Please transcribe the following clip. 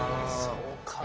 そうか。